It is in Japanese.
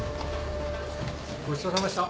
ごちそうさまでした。